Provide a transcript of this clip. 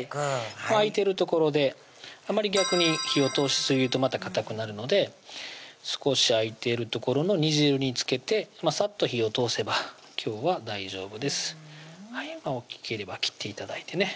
肉空いてる所であまり逆に火を通しすぎるとまたかたくなるので少し空いている所の煮汁に漬けてさっと火を通せば今日は大丈夫です大きければ切って頂いてね